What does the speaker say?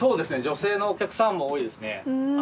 女性のお客さんも多いですね。